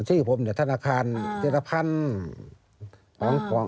ชื่อผมเนี่ยธนาคารจิตภัณฑ์